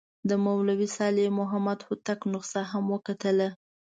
د مولوي صالح محمد هوتک نسخه هم وکتله.